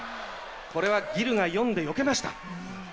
これはギルが読んでよけました。